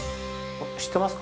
◆知ってますか。